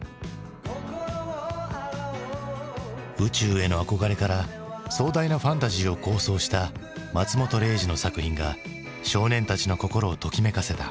宇宙への憧れから壮大なファンタジーを構想した松本零士の作品が少年たちの心をときめかせた。